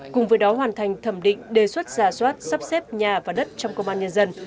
cùng với đó hoàn thành thẩm định đề xuất giả soát sắp xếp nhà và đất trong công an nhân dân